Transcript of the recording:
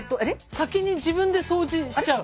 先に自分で掃除しちゃう。